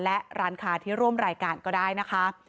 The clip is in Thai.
และร้านค้าที่ร่วมรายการก็ได้นะคะ